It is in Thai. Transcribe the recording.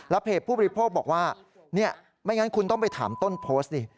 และเพจผู้บริโภคบอกว่าไม่งั้นคุณต้องไปถามต้นโพสต์